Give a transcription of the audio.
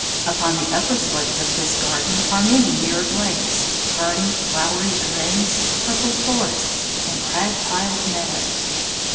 Upon the upper slopes of this garden are many mirrored lakes, ferny, flowery glens, purple forests, and crag piled meadows.